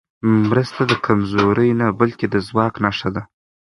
مرسته د کمزورۍ نه، بلکې د ځواک نښه ده.